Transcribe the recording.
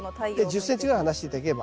１０ｃｍぐらい離して頂ければ。